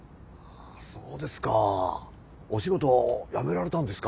そうですかお仕事辞められたんですか。